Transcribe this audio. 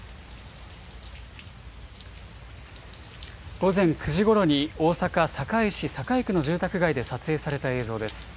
午前９時ごろに、大阪・堺市堺区の住宅街で撮影された映像です。